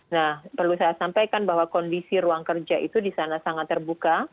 nah perlu saya sampaikan bahwa kondisi ruang kerja itu di sana sangat terbuka